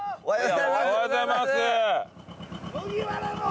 おはようございます。